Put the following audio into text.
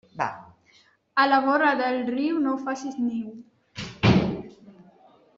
A la vora del riu no faces niu.